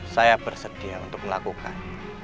saya bersedia untuk melakukan